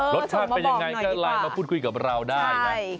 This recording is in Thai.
รสชาติเป็นยังไงก็ไลน์มาพูดคุยกับเราได้นะ